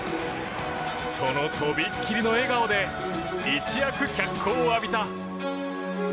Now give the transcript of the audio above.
そのとびっきりの笑顔で一躍、脚光を浴びた。